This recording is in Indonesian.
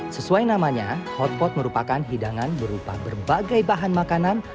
sesuai namanya hotpot merupakan hidangan berupa berbagai bahan makanan